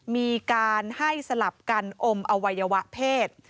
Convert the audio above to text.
มีการให้สลับกันอมอวัยวะเพศ